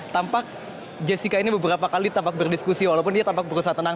tampak jessica ini beberapa kali tampak berdiskusi walaupun dia tampak berusaha tenang